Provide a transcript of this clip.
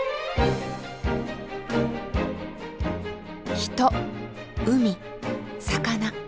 人海魚。